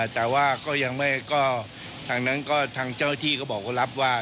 แต่ว่าก็ยังไม่ก็ทางนั้นก็ทางเจ้าที่ก็บอกว่ารับว่า